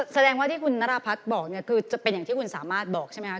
แสดงว่าที่คุณนรพัฒน์บอกเนี่ยคือจะเป็นอย่างที่คุณสามารถบอกใช่ไหมคะ